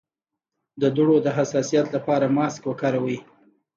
د دوړو د حساسیت لپاره ماسک وکاروئ